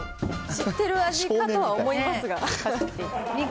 知ってる味かとは思いますが。